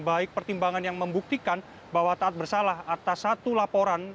baik pertimbangan yang membuktikan bahwa taat bersalah atas satu laporan